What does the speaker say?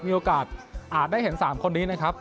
มีโอกาสอาจได้เห็น๓คนนี้นะครับ